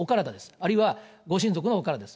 あるいはご親族のお体です。